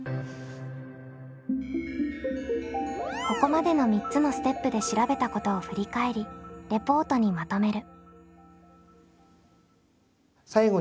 ここまでの３つのステップで調べたことを振り返りレポートにまとめる。